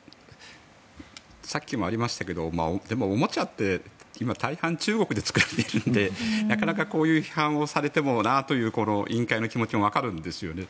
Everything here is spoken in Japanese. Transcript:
さっきもありましたがでも、おもちゃって今、大半中国で作られているのでなかなかこういう批判をされてもなという委員会の気持ちもわかるんですよね。